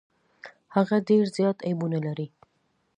هغه ډیر زيات عيبونه لري.